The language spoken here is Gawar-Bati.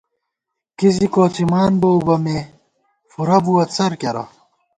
کی زی کوڅِمان بُوؤ بہ ، مے فُرہ بُوَہ څر کېرہ